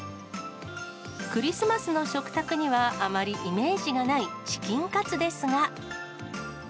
クリスマスの食卓にはあまりイメージがないチキンカツですが。